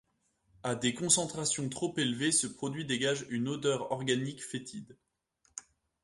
À des concentrations trop élevées, ce produit dégage une odeur organique fétide.